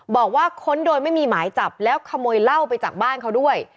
ค้นโดยไม่มีหมายจับแล้วขโมยเหล้าไปจากบ้านเขาด้วย